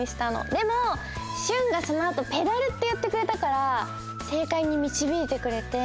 でもシュンがそのあと「ペダル」っていってくれたからせいかいにみちびいてくれて。